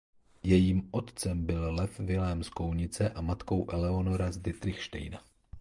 Jejím otcem byl Lev Vilém z Kounice a matkou Eleonora z Ditrichštejna.